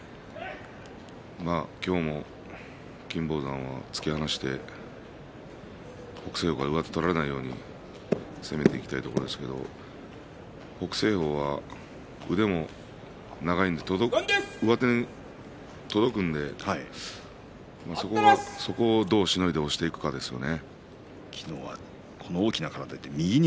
今日も金峰山は突き放して北青鵬が上手を取られないように攻めていきたいところですけど北青鵬は腕も長いので上手に届くのでそこをどうしのいで押していくかですよね。